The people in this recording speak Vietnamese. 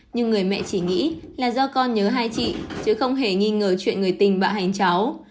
nhưng người mẹ chỉ nghĩ là do con nhớ hai chị chứ không hề nghi ngờ chuyện người tình bạo hành cháu